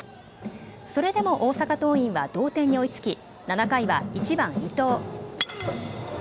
それでも大阪桐蔭は同点に追いつき７回は１番・伊藤。